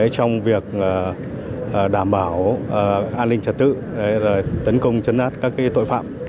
trong việc đảm bảo an ninh trật tự tấn công chấn áp các tội phạm